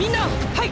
はい！